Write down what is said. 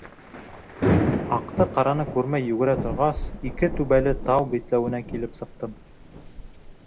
Аҡты-ҡараны күрмәй йүгерә торғас, ике түбәле тау битләүенә килеп сыҡтым.